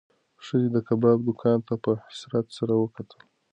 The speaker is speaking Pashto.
ښځې د کبابي دوکان ته په حسرت سره وکتل.